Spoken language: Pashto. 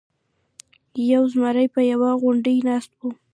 یو زمری په یوه غونډۍ ناست و.